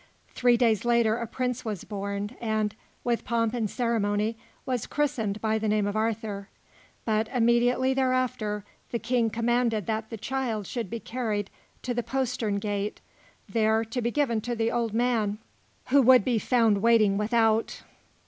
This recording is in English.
Three days later, a prince was born and, with pomp and ceremony, was christened by the name of Arthur; but immediately thereafter, the King commanded that the child should be carried to the postern gate, there to be given to the old man who would be found waiting without.